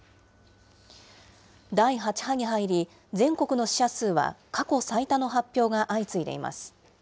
第８波に入り、全国の死者数は過去最多の発表が相次いでいます。